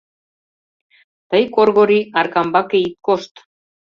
— Тый, Коргори, Аркамбаке ит кошт.